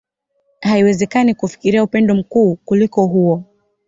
Haiwezekani kufikiria upendo mkuu kuliko huo.